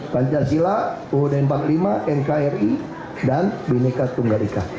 pancasila uud empat puluh lima nkri dan bineka tunggal ika